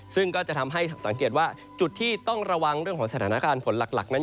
ซึ่งก็จะทำให้สังเกตว่าจุดที่ต้องระวังเรื่องของสถานการณ์ฝนหลักนั้น